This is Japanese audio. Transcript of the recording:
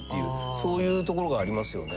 そういうところがありますよね。